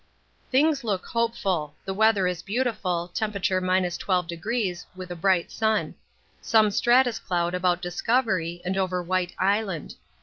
Things look hopeful. The weather is beautiful temp. 12°, with a bright sun. Some stratus cloud about Discovery and over White Island.